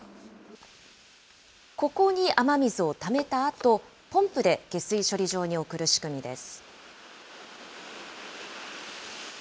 ここに雨水をためたあと、ポンプで下水処理場に送る仕組みです。